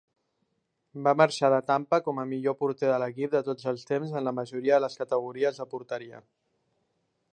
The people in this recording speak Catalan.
Va marxar de Tampa com a millor porter de l'equip de tots els temps en la majoria de les categories de porteria.